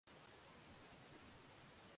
Ruto ni mgombeaji wa urais